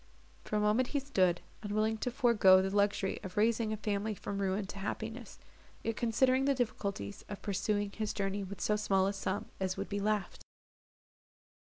For a moment he stood, unwilling to forego the luxury of raising a family from ruin to happiness, yet considering the difficulties of pursuing his journey with so small a sum as would be left.